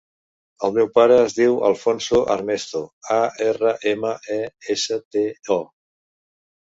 El meu pare es diu Alfonso Armesto: a, erra, ema, e, essa, te, o.